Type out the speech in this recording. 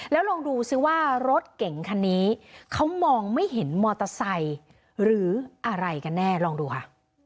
แล้วลองดูซิว่ารถเก่งคันนี้เขามองไม่เห็นมอเตอร์ไซค์หรืออะไรกันแน่ลองดูค่ะ